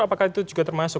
apakah itu juga termasuk